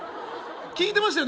聞いてましたよね？